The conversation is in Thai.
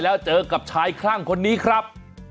แล้วเจอกับชายคลั่งคนนี้ครับ